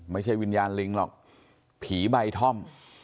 ไม่ใช่วิญญาณลิงหรอกผีใบท่อม